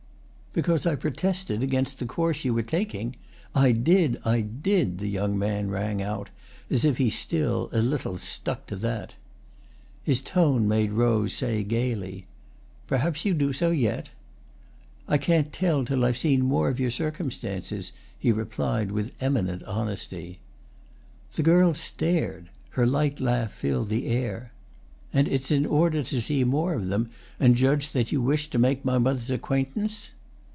"Because I protested against the course you were taking? I did, I did!" the young man rang out, as if he still, a little, stuck to that. His tone made Rose say gaily: "Perhaps you do so yet?" "I can't tell till I've seen more of your circumstances," he replied with eminent honesty. The girl stared; her light laugh filled the air. "And it's in order to see more of them and judge that you wish to make my mother's acquaintance?"